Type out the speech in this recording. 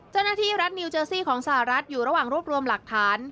เจ้าหน้าที่รัฐนิวเจอร์ซี่ของสหรัฐอยู่ระหว่างรวบรวมหลักฐาน